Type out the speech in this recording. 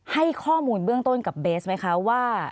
ให้ข้อมูลเบื้องต้นกับเบสไหมคะว่า